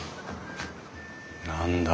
何だ？